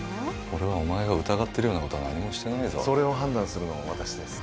俺はお前が疑ってるようなことは何もしてないぞそれを判断するのは私です